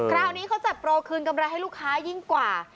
คราวนี้เขาจัดโปรคืนกำไรให้ลูกค้ายิ่งกว่า